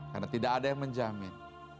karena tidak ada yang menjamin